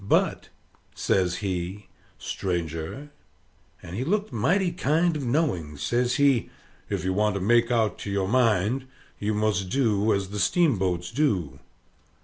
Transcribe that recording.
But," says he, "stranger," and he looked mighty kind of knowing, says he, "if you want to make out to your mind, you must do as the steamboats do."